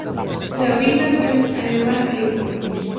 Davis nació en Anaheim, California.